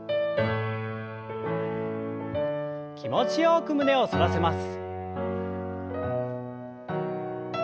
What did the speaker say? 気持ちよく胸を反らせます。